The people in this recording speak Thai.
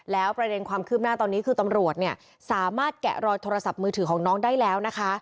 แล้วประเด็นความคืบหน้าตอนนี้คือตำรวจเนี่ยสามารถแกะรอยโทรศัพท์มือถือของน้องได้แล้วนะคะ